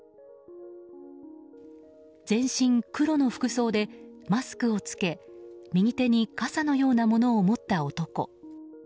全身黒の服装で、マスクを着け右手に傘のようなものを持った男。